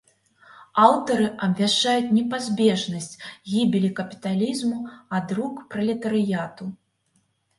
Аўтары абвяшчаюць непазбежнасць гібелі капіталізму ад рук пралетарыяту.